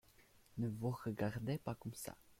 Ne vous regardez pas comme ça.